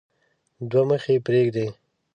دوه مخي پريږدي.